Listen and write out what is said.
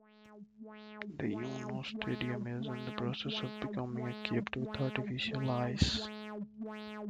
The Yunost' Stadium is in the process of becoming equipped with artificial ice.